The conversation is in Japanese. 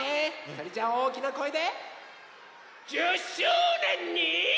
それじゃあおおきなこえで１０周年に。